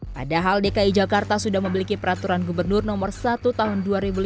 padahal dki jakarta sudah memiliki peraturan gubernur no satu tahun dua ribu lima belas